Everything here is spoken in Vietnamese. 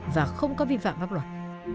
và không có vi phạm pháp luật